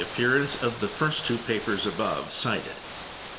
appearance of the first two papers above cited.